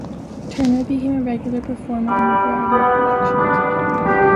Turner became a regular performer in a variety of productions.